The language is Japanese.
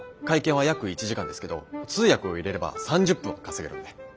会見は約１時間ですけど通訳を入れれば３０分は稼げるんで。